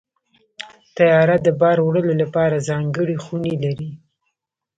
طیاره د بار وړلو لپاره ځانګړې خونې لري.